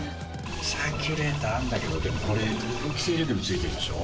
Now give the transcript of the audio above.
サーキュレーターあるんだけどでもこれ空気清浄機も付いてるでしょ。